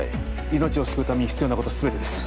命を救うために必要なこと全てです